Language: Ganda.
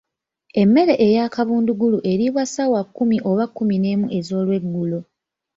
Emmere eyakabundugulu eriibwa ssaawa kkumi oba kumineemu ez'olweggulo.